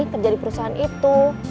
kerja di perusahaan itu